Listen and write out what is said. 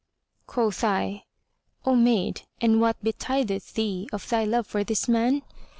Quoth I, "O maid, and what betideth thee of thy love for this man?"